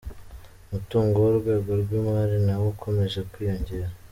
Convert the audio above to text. Umutungo w’Urwego rw’imari nawo ukomeje kwiyongera.